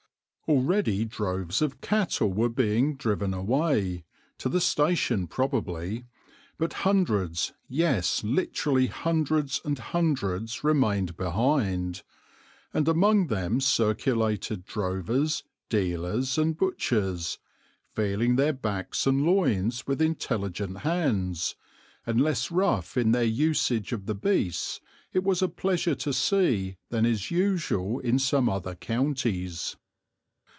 Already droves of cattle were being driven away to the station probably but hundreds, yes literally hundreds and hundreds, remained behind, and among them circulated drovers, dealers, and butchers, feeling their backs and loins with intelligent hands, and less rough in their usage of the beasts, it was a pleasure to see, than is usual in some other counties.